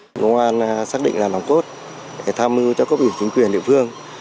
công an xác định là làm tốt tham mưu cho cấp ủy chính quyền địa phương